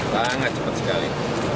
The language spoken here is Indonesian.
sangat cepat sekali